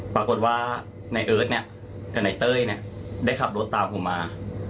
ปรากฎว่าไหนเอิ้ตกับไหนเต้ยได้หลับรถมือตามผมมา